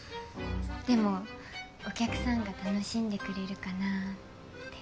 でもお客さんが楽しんでくれるかなって。